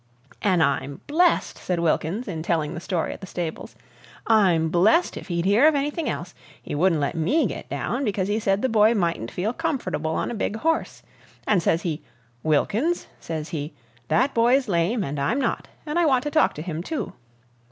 "An' I'm blessed," said Wilkins, in telling the story at the stables, "I'm blessed if he'd hear of anything else! He wouldn't let me get down, because he said the boy mightn't feel comfortable on a big horse. An' ses he, 'Wilkins,' ses he, 'that boy's lame and I'm not, and I want to talk to him, too.'